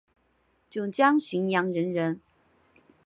九江浔阳人人。